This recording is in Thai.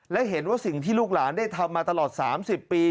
และเห็นว่าสิ่งที่ลูกหลานได้ทำมาตลอด๓๐ปี